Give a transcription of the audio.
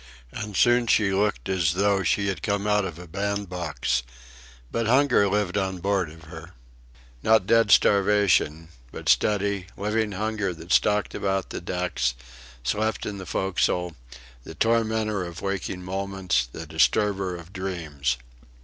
And soon she looked as though she had come out of a band box; but hunger lived on board of her. Not dead starvation, but steady, living hunger that stalked about the decks, slept in the forecastle; the tormentor of waking moments, the disturber of dreams.